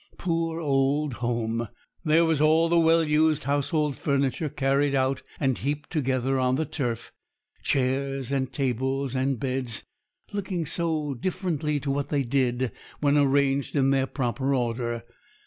Poor old home! There was all the well used household furniture carried out and heaped together on the turf, chairs and tables and beds, looking so differently to what they did when arranged in their proper order.